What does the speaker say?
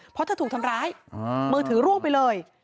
เพราะถ้าถูกทำร้ายมือถือร่วงไปเลย